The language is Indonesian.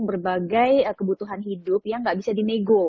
berbagai kebutuhan hidup yang nggak bisa dinego